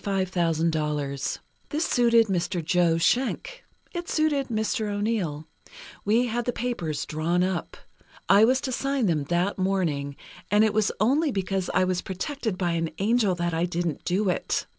This suited Mr. Joe Schenck. It suited Mr. O'Neill. We had the papers drawn up. I was to sign them that morning, and it was only because I was protected by an angel that I didn't do it.